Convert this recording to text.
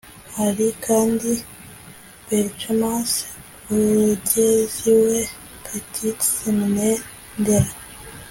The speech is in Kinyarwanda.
Hari kandi Berchmans Ugeziwe (Petit Seminaire Ndera)